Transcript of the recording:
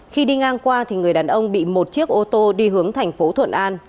khi đi ngang qua thì người đàn ông bị một chiếc ô tô đi hướng thành phố thuận an